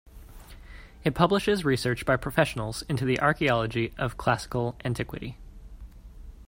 It publishes research by professionals into the archaeology of classical antiquity.